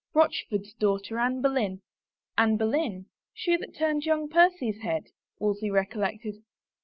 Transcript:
" Rochford's daughter, Anne Boleyn." " Anne Boleyn — she that turned young Percy's head?" Wolsey recollected.